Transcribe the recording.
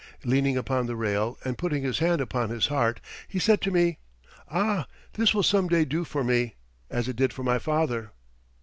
Leaning upon the rail and putting his hand upon his heart, he said to me: "Ah, this will some day do for me, as it did for my father."